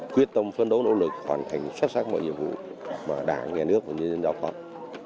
quyết tâm phân đấu nỗ lực hoàn thành xuất sắc mọi nhiệm vụ mà đảng nghe nước và nhân dân giao cộng